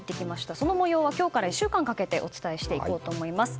その模様は今日から１週間かけてお伝えしていこうと思います。